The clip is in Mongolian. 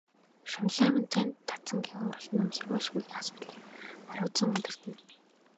Шунлайв нь цанид дацангийн хурал ном, сургалт шүүлгийн асуудлыг хариуцан удирдана.